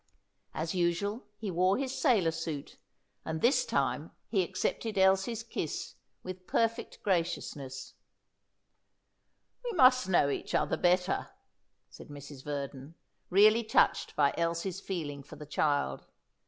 As usual, he wore his sailor suit, and this time he accepted Elsie's kiss with perfect graciousness. "We must know each other better," said Mrs. Verdon, really touched by Elsie's feeling for the child.